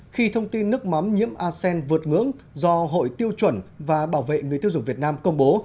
khi thông tin nước mắm nhiễm asean vượt ngưỡng do hội tiêu chuẩn và bảo vệ người tiêu dùng việt nam công bố